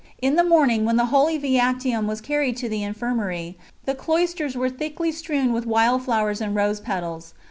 In the morning, when the Holy Viaticum was carried to the Infirmary, the cloisters were thickly strewn with wild flowers and rose petals.